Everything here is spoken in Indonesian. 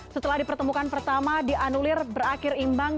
setelah dipertemukan pertama dianulir berakhir imbang